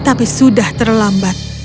tapi sudah terlambat